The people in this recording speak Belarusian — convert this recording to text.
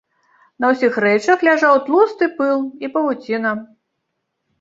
На ўсіх рэчах ляжаў тлусты пыл і павуціна.